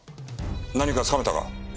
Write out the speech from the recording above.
何かつかめたか？